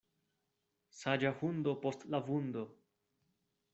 Saĝa hundo post la vundo.